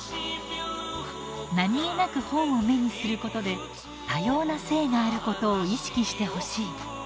何気なく本を目にすることで多様な性があることを意識してほしい。